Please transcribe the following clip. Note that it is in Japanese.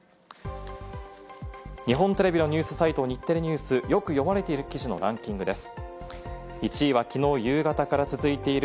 日本テレビのニュースサイト、日テレＮＥＷＳでよく読まれている記事のランキングです。